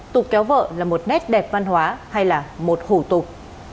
tục kéo vợ là một nét đẹp văn hóa hay là một hủ tục